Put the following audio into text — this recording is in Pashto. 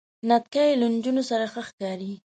نتکۍ له نجونو سره ښه ښکاری.